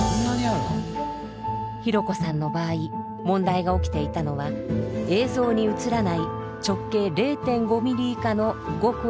ひろこさんの場合問題が起きていたのは映像に映らない直径０．５ｍｍ以下のごく細い血管です。